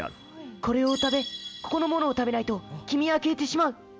これをお食べ、ここのものを食べないと君は消えてしまう。